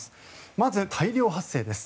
まず、大量発生です。